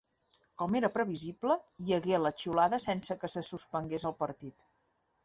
Com era previsible, hi hagué la xiulada sense que se suspengués el partit.